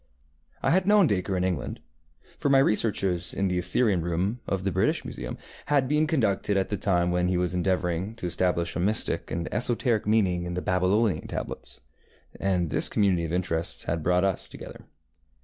I had known Dacre in England, for my researches in the Assyrian Room of the British Museum had been conducted at the time when he was endeavouring to establish a mystic and esoteric meaning in the Babylonian tablets, and this community of interests had brought us together.